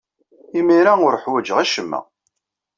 Imir-a, ur ḥwajeɣ acemma.